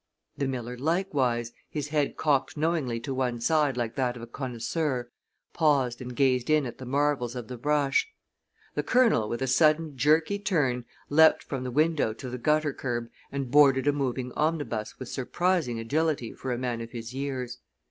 The miller likewise, his head cocked knowingly to one side like that of a connoisseur, paused and gazed in at the marvels of the brush. The Colonel, with a sudden jerky turn, leaped from the window to the gutter curb and boarded a moving omnibus with surprising agility for a man of his years.